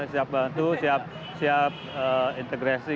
siap bantu siap integrasi